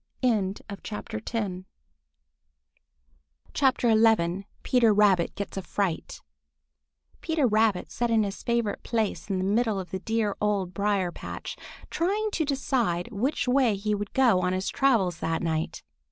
XI PETER RABBIT GETS A FRIGHT PETER RABBIT sat in his favorite place in the middle of the dear Old Briar patch, trying to decide which way he would go on his travels that night.